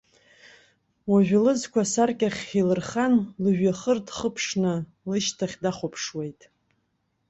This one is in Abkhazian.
Уажәы лызқәа асаркьахь илырхан, лыжәҩахыр дхыԥшны лышьҭахь дахәаԥшуеит.